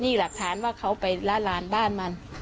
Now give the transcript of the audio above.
นี่หลักฐานว่าเขาไปละลานบ้านมัน